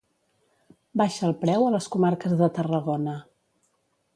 Baixa el preu a les comarques de Tarragona.